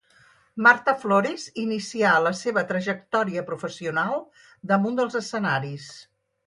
Marta Flores inicià la seva trajectòria professional damunt dels escenaris.